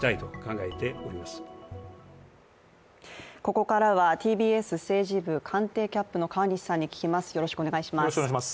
ここからはＴＢＳ政治部官邸キャップの川西さんに聞きます。